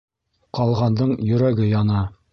Ҡалғандың йөрәге яна.